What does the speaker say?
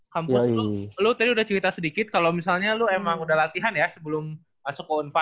kampus lu lu tadi udah cerita sedikit kalau misalnya lu emang udah latihan ya sebelum masuk ke u empat belas kan